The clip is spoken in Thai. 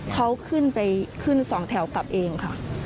เขาขึ้นไปขึ้นสองแถวกลับเองค่ะ